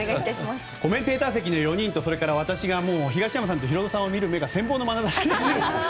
コメンテーター席にいる４人とそれから私が東山さんとヒロドさんを見る目が羨望のまなざしで。